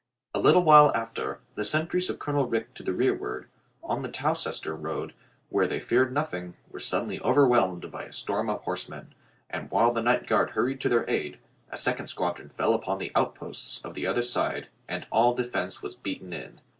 A little while after, the sentries of Colonel Rich to the rearward, on the Towcester Road, where they feared nothing, were suddenly overwhelmed by a storm of horsemen, and while the night guard hurried to their aid, a second squadron fell upon the outposts of the other side and all defense was beaten in.